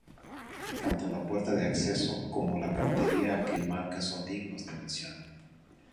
Tanto la puerta de acceso como la cantería que enmarca son dignos de mención.